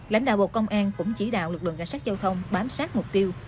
lãnh đạo bộ công an cũng chỉ đạo lực lượng cảnh sát giao thông bám sát mục tiêu